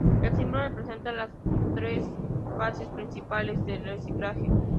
El símbolo representa las tres fases principales del reciclaje.